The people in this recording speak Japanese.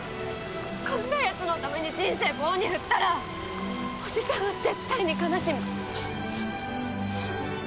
こんな奴のために人生棒に振ったらおじさんは絶対に悲しむ。